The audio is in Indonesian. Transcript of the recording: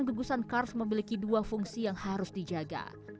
gugusan kars memiliki dua fungsi yang harus dijaga